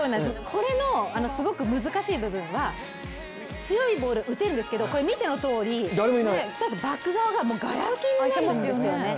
これのすごく難しい部分は強いボールが打てるんですけど、見てのとおりバック側ががら空きになるんですよね。